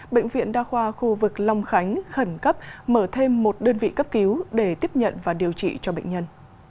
bệnh viện đa khoa khu vực long khánh khẩn cấp mở thêm một đơn vị cấp cứu để tiếp nhận và điều trị cho bệnh nhân